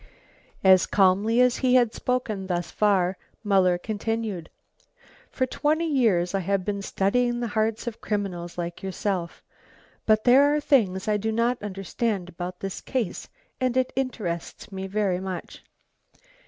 As calmly as he had spoken thus far Muller continued. "For twenty years I have been studying the hearts of criminals like yourself. But there are things I do not understand about this case and it interests me very much."